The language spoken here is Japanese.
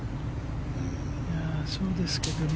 そうですけどね。